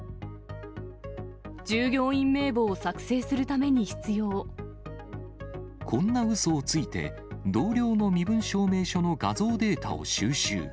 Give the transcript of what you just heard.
従業員名簿を作成するためにこんなうそをついて、同僚の身分証明書の画像データを収集。